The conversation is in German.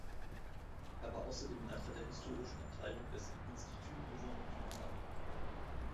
Er war außerdem Leiter der historischen Abteilung des „Institut Grand-Ducal“.